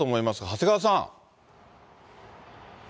長谷川さん。